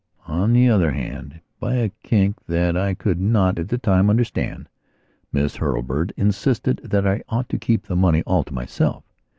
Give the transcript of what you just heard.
On the other hand, by a kink, that I could not at the time understand, Miss Hurlbird insisted that I ought to keep the money all to myself.